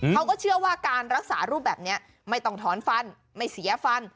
เขาก็เชื่อว่าการรักษารูปแบบนี้ไม่ต้องถอนฟันไม่เสียฟัน